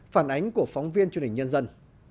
phản ánh của phóng viên chương trình nhân dân